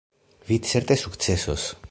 Vi certe sukcesos.